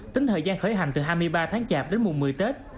tính thời gian khởi hành từ hai mươi ba tháng chạp đến mùa một mươi tết